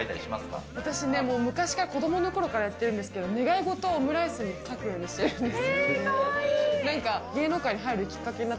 私ね、昔から子どものころからやってるんですけど、願い事をオムライスに書くようにしているんです。